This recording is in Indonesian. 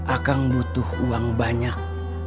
akang butuh uang banyak